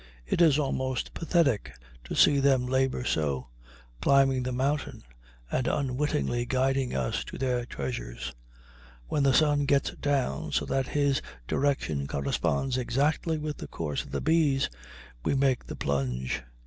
It is almost pathetic to see them labor so, climbing the mountain and unwittingly guiding us to their treasures. When the sun gets down so that his direction corresponds exactly with the course of the bees, we make the plunge.